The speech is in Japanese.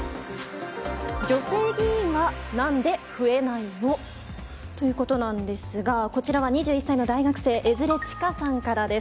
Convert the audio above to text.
女性議員はなんで増えないの？ということなんですが、こちらは２１歳の大学生、江連千佳さんからです。